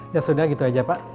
ya sudah gitu aja pak